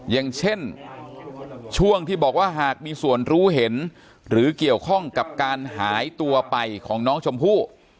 อย่างเช่นช่วงที่บอกว่าหากมีส่วนรู้เห็นหรือเกี่ยวข้องกับการหายตัวไปของน้องชมพู่